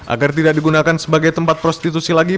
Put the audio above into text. agar tidak digunakan sebagai tempat prostitusi lagi